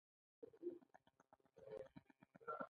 هو هغه هم مستعفي پیژندل کیږي.